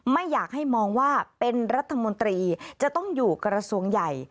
ไม่อยากให้มองว่าเป็นรัฐมนตรีจะต้องอยู่กระทรวงใหญ่